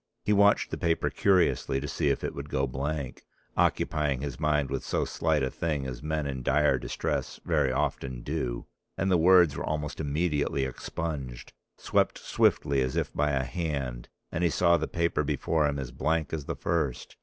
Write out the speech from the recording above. He watched the paper curiously to see if it would go blank, occupying his mind with so slight a thing as men in dire distress very often do, and the words were almost immediately expunged, swept swiftly as if by a hand, and he saw the paper before him as blank as the first.